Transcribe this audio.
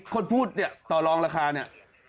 คนพูดเนี่ยต่อรองราคาเนี่ย